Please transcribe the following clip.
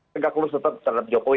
tegak lurus tetap terhadap jokowi